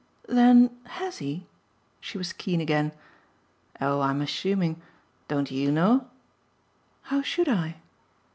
"Then HAS he?" she was keen again. "Oh I'm assuming. Don't YOU know?" "How should I?"